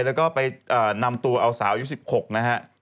แล้วก็ไปนำตัวเอาสาวยุค๑๖นะฮะ